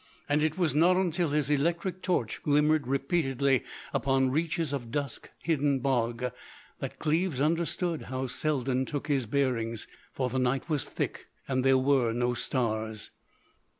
And it was not until his electric torch glimmered repeatedly upon reaches of dusk hidden bog that Cleves understood how Selden took his bearings—for the night was thick and there were no stars.